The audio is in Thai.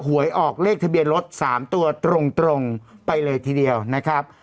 หวยออกเลขทะเบียนรถ๓ตัวตรงไปเลยทีเดียวนะครับ